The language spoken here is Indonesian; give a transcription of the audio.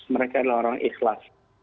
mereka adalah orang ikhlas